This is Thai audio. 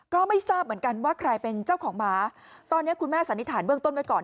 ก็ไม่ทราบเหมือนกันว่าใครเป็นเจ้าของหมาตอนนี้คุณแม่สันนิษฐานเบื้องต้นไว้ก่อน